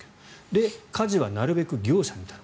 で、家事はなるべく業者に頼む。